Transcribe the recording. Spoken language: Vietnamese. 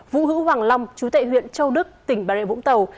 vũ hữu hoàng long chú tệ huyện châu đức tỉnh bà rệ vũng tàu